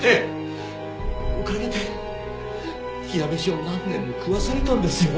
おかげで冷や飯を何年も食わされたんですよ。